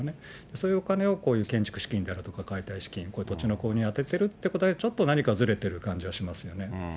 そういうお金をこういう建築資金であるとか、解体資金、こういう土地の購入に充ててるってことは、ちょっと何かずれてる感じはしますよね。